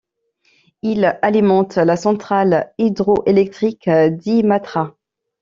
Ils alimentent la centrale hydroélectrique d'Imatra.